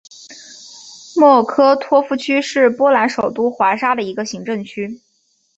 莫科托夫区是波兰首都华沙的一个行政区。